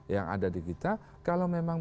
yang ada di kita kalau memang